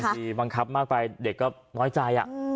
มีบังคับมากไปเด็กก็น้อยใจ